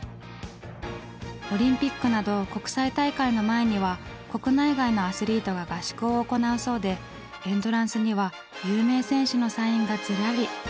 オリンピックなど国際大会の前には国内外のアスリートが合宿を行うそうでエントランスには有名選手のサインがずらり。